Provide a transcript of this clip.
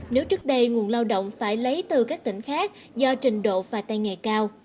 nếu trước đây nguồn lao động phải lấy từ các tỉnh khác do trình độ và tay nghề cao